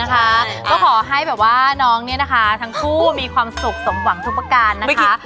ก็ขอให้น้องเนี่ยนะคะทั้งคู่มีความสุขสมผวังทุกประการ